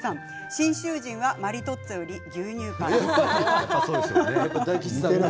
信州人はマリトッツォより牛乳パンです。